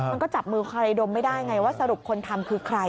มันก็จับมือคาเรดมไม่ได้ไงว่าสรุปคนทำคือใคร